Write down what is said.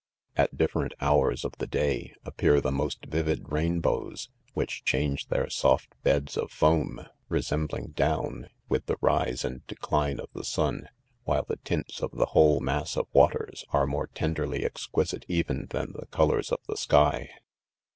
'At different hours of the day appear the most. vivid rainbows, which change their soft beds of foam, resembling down, with the rise and de cline of the sun $ while the tints of the whole mass of waters, are more tenderly exquisite even than the colors of the sky.